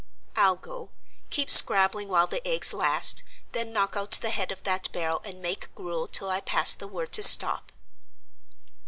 "I'll go: keep scrabbling while the eggs last, then knock out the head of that barrel and make gruel till I pass the word to stop."